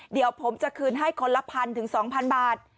เดี๋ยวผมจะคืนให้คนละพันถึง๒๐๐บาท